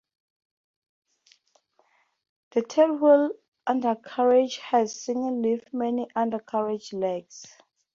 The tailwheel undercarriage has single leaf main undercarriage legs.